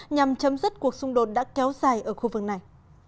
nhằm chấm dứt cuộc xung đột đã kéo dài ở khu vực này